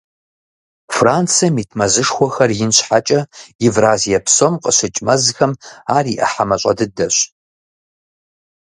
Францием ит мэзышхуэхэр ин щхьэкӀэ, Евразие псом къыщыкӀ мэзхэм ар и Ӏыхьэ мащӀэ дыдэщ.